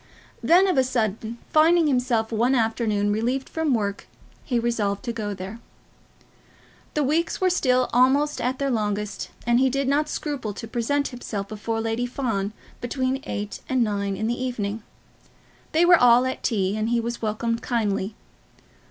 Then, of a sudden, finding himself one afternoon relieved from work, he resolved to go there. The days were still almost at their longest, and he did not scruple to present himself before Lady Fawn between eight and nine in the evening. They were all at tea, and he was welcomed kindly.